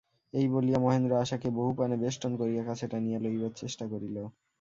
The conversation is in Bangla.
এই বলিয়া মহেন্দ্র আশাকে বাহুপাশে বেষ্টন করিয়া কাছে টানিয়া লইবার চেষ্টা করিল।